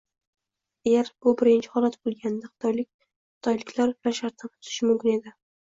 Agar bu birinchi holat bo'lganida, xitoyliklar xitoyliklar bilan shartnoma tuzishi mumkin edi